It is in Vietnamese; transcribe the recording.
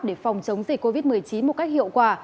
để phòng chống dịch covid một mươi chín một cách hiệu quả